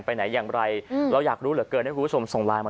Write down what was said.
ไปไหนอย่างไรเราอยากรู้เหลือเกินให้คุณผู้ชมส่งไลน์มา